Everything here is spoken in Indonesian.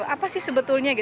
apa sih sebetulnya